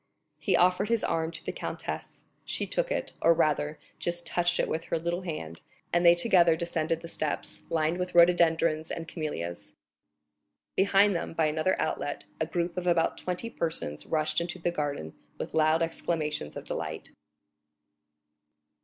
He offered his arm to the countess; she took it, or rather just touched it with her little hand, and they together descended the steps, lined with rhododendrons and camellias. Behind them, by another outlet, a group of about twenty persons rushed into the garden with loud exclamations of delight.